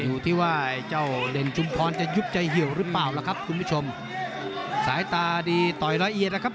อยู่ที่ว่าเจ้าเด่นชุมพรจะยุบใจเหี่ยวหรือเปล่าล่ะครับคุณผู้ชมสายตาดีต่อยละเอียดนะครับ